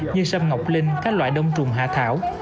như sâm ngọc linh các loại đông trùng hạ thảo